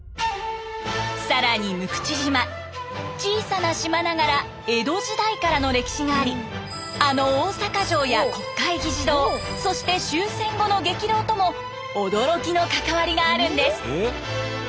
更に六口島小さな島ながら江戸時代からの歴史がありあの大阪城や国会議事堂そして終戦後の激動とも驚きの関わりがあるんです。